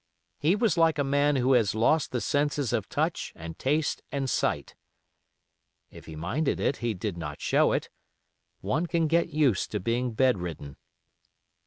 He was like a man who has lost the senses of touch and taste and sight. If he minded it, he did not show it. One can get used to being bedridden.